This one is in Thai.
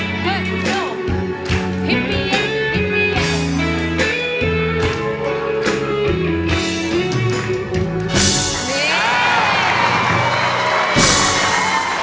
ฮิปปี้ฮิปปี้